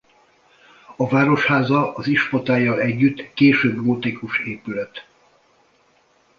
A Városháza az ispotállyal együtt késő gótikus épület.